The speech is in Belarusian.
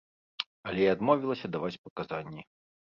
Але я адмовілася даваць паказанні.